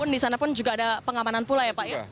di sana pun juga ada pengamanan pula ya pak ya